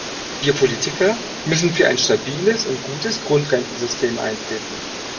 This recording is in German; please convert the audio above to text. Wir Politiker müssen für ein stabiles und gutes Grundrentensystem eintreten.